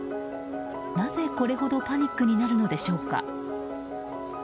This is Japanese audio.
なぜ、これほどパニックになるのでしょうか。